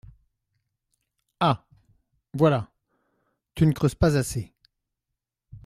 Ah ! voilà ! tu ne creuses pas assez.